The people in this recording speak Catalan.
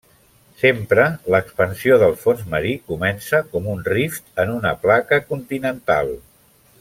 Sempre l'expansió del fons marí comença com un rift en una placa continental.